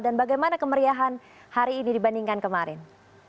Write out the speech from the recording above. dan bagaimana kemeriahan hari ini dibandingkan kemarin